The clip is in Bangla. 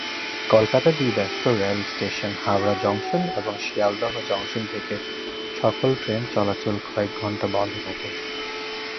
কলকাতার দুই ব্যস্ত রেল স্টেশন হাওড়া জংশন এবং শিয়ালদহ জংশন থেকে সকল ট্রেন চলাচল কয়েক ঘণ্টা বন্ধ থাকে।